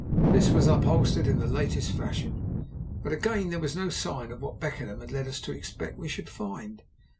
This was upholstered in the latest fashion; but again there was no sign of what Beckenham had led us to expect we should find.